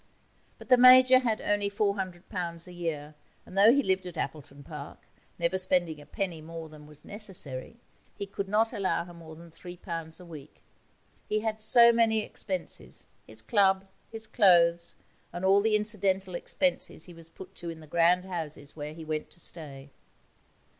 But the Major had only £400 a year, and though he lived at Appleton Park, never spending a penny more than was necessary, he could not allow her more than £3 a week. He had so many expenses: his club, his clothes, and all the incidental expenses he was put to in the grand houses where he went to stay.